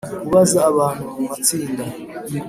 Kubaza abantu mu matsinda